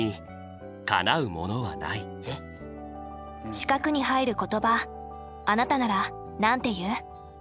四角に入る言葉あなたならなんて言う？